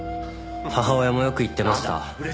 母親もよく言ってました。